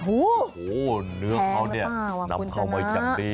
โอ้โฮเนื้อเผาเนี่ยน้ำเขาไม่จำดี